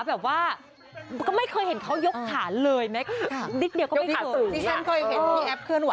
เมื่อกี้คุณขวัญดูคลิปไปแล้วคุณขวัญบอกว่าอะไรนะ